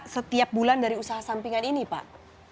setiap bulan dari usaha sampingan ini pak